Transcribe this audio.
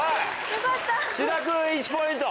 志田君１ポイント。